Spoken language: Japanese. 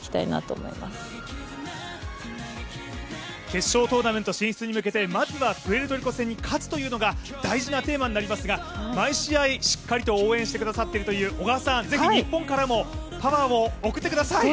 決勝トーナメント進出に向けてまずはプエルトリコ戦に勝つというのが大事なテーマになりますが、毎試合しっかりと応援してくださっているという小川さん、ぜひ日本からもパワーを送ってください！